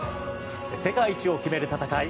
世界一を決める戦い